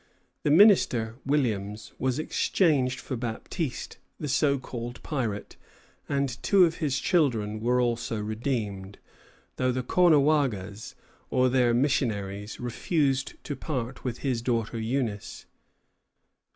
The minister, Williams, was exchanged for Baptiste, the so called pirate, and two of his children were also redeemed, though the Caughnawagas, or their missionaries, refused to part with his daughter Eunice.